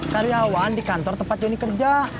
karyawan di kantor tempat joni kerja